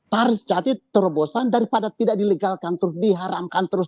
harus jadi terobosan daripada tidak dilegalkan terus diharamkan terus